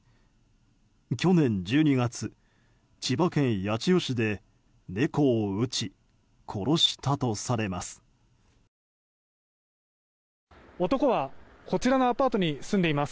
去年１２月千葉県八千代市で猫を撃ち殺したとされます。